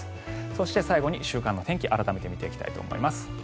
そして、最後に週間の天気改めて見ていきたいと思います。